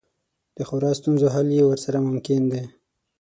د خورا ستونزو حل یې ورسره ممکن دی.